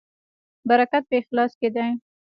برکت په اخلاص کې دی